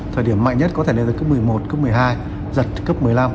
thời điểm mạnh nhất có thể lên tới cấp một mươi một cấp một mươi hai giật cấp một mươi năm